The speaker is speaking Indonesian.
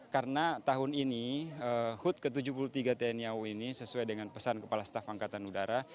karena tahun ini hud ke tujuh puluh tiga tni au ini sesuai dengan pesan kepala staf angkatan udara